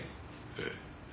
ええ。